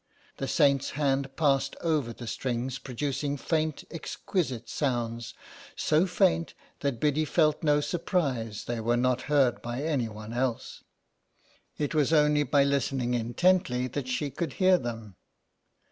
The saint's hand passed over the strings, producing faint exquisite sounds, so faint that Biddy felt no surprise they were not heard by anyone else; it was only by listening intently that she could hear them.